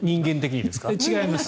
違います。